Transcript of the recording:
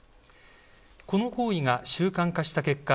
この行為が習慣化した結果